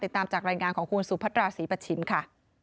ตามจากรายงานของคุณสุพัตราศรีปัชชินค่ะ